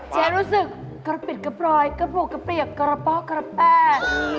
รู้สึกกระปิดกระปลอยกระปุกกระเปรียบกระป๊อกกระแปด